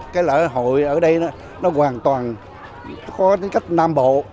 cái lễ hội ở đây nó hoàn toàn có cách nam bộ